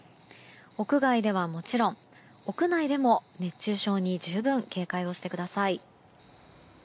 屋外ではもちろん屋内でも熱中症に十分警戒をしてください。